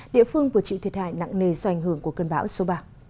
địa phương vừa chịu thiệt hại nặng nề do ảnh hưởng của cơn bão số ba